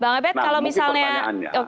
nah mungkin pertanyaannya